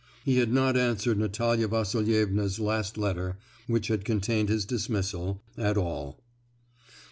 He had not answered Natalia Vasilievna's last letter—which had contained his dismissal—at all.